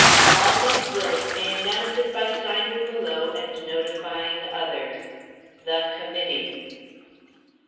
All that's willing may announce it by signing below and notifying others. THE COMMITTEE.